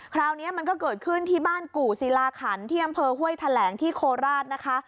คราวนี้มันก็เกิดขึ้นที่บ้านกู่ศิลาขันที่อำเภอห้วยแถลงที่โคราชนะคะ